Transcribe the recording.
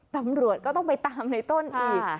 ตำรวจก็ต้องไปตามในต้นอีก